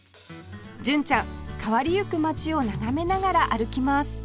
純ちゃん変わりゆく街を眺めながら歩きます